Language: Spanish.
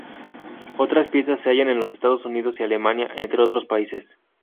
Otras piezas se hallan en los Estados Unidos y Alemania, entre otros países.